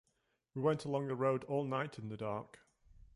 We went along the road all night in the dark.